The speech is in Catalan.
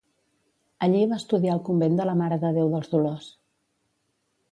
Allí va estudiar al Convent de la Mare de Déu dels Dolors.